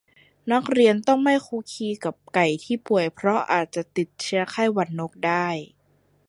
นักเรียนต้องไม่คลุกคลีกับไก่ที่ป่วย เพราะอาจติดเชื้อไข้หวัดนกได้